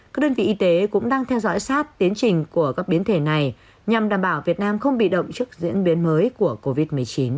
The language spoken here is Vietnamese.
các đơn vị y tế cũng đang theo dõi sát tiến trình của các biến thể này nhằm đảm bảo việt nam không bị động trước diễn biến mới của covid một mươi chín